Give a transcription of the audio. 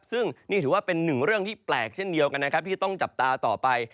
ซึ่งนี่ถือว่าเป็นหนึ่งเรื่องที่แปลกเช่นเดียวกันนะครับที่ต้องจับตาต่อไป